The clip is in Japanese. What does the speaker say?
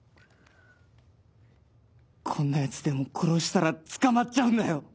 こんなやつでも殺したら捕まっちゃうんだよ？